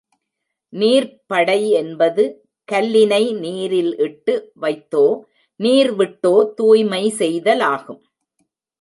நீர்ப்படை என்பது கல்லினை நீரில் இட்டு வைத்தோ நீர் விட்டோ தூய்மை செய்தலாகும்.